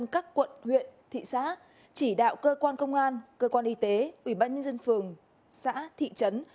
chỉ đạo cơ quan công an cơ quan y tế ubnd phường xã thị trấn